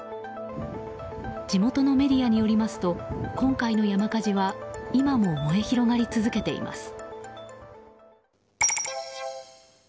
地元のメディアによりますと今回の山火事は今も燃え広がり続けています。